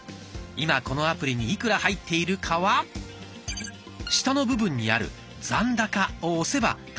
今このアプリにいくら入っているかは下の部分にある「残高」を押せば確認できます。